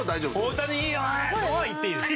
大谷は言っていいです。